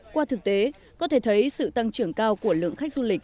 qua thực tế có thể thấy sự tăng trưởng cao của lượng khách du lịch